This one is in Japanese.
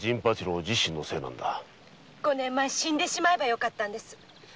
五年前死んでしまえばよかったんです。